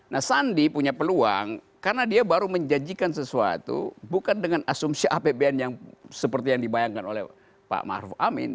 nah sandi punya peluang karena dia baru menjanjikan sesuatu bukan dengan asumsi apbn yang seperti yang dibayangkan oleh pak maruf amin